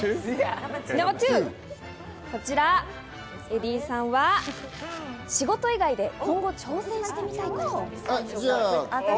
エディさんは仕事以外で今後挑戦してみたいこと。